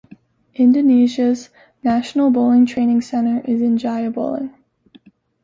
Indonesia's National Bowling Training Center is in Jaya Bowling.